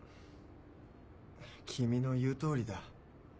君の言う通りだ。